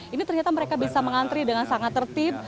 ini ternyata mereka bisa mengantri dengan sangat tertib